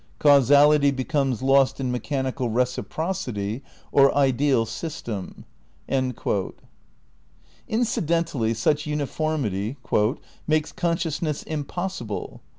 Causality becomes lost in mechanical reciprocity or ideal system." Incidentally such uniformity ''makes consciousness ... impossible.